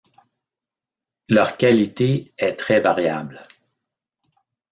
Leur qualité est très variable.